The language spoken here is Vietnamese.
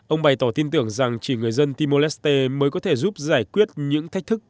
ông bày tỏ tin tưởng rằng chỉ người dân timor leste mới có thể giúp giải quyết những thách thức